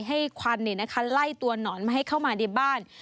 ควันไล่ตัวหนอนมาให้เข้ามาในบ้าน